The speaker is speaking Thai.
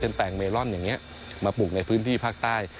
แปลงเมลอนอย่างนี้มาปลูกในพื้นที่ภาคใต้